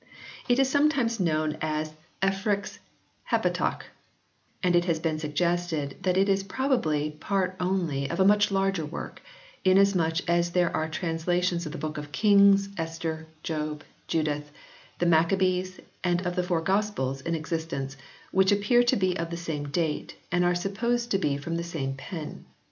It is some times known as "^Elfric s Heptateuch" and it has been suggested that it is probably part only of a much larger work, inasmuch as there are translations of the Books of Kings, Esther, Job, Judith, the Maccabees and of the Four Gospels in existence which appear to be of the same date, and are supposed to be from the same pen.